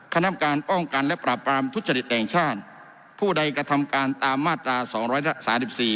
คณะกรรมการป้องกันและปราบปรามทุจริตแห่งชาติผู้ใดกระทำการตามมาตราสองร้อยสามสิบสี่